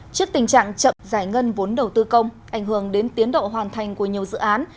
trước tình trạng chậm giải ngân vốn đầu tư công ảnh hưởng đến tiến độ hoàn thành của nhiều dự án